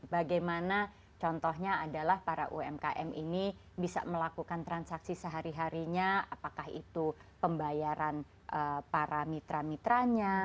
bagaimana contohnya adalah para umkm ini bisa melakukan transaksi sehari harinya apakah itu pembayaran para mitra mitranya